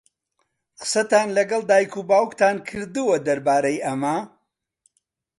قسەتان لەگەڵ دایک و باوکتان کردووە دەربارەی ئەمە؟